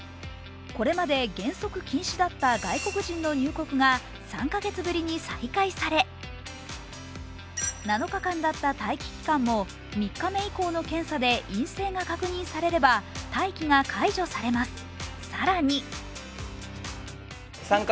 これまで原則禁止だった外国人の入国が３カ月ぶりに再開され７日間だった待機期間も３日目以降の検査で陰性が確認されれば待機が解除されます。